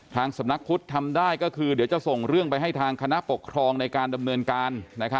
สำนักพุทธทำได้ก็คือเดี๋ยวจะส่งเรื่องไปให้ทางคณะปกครองในการดำเนินการ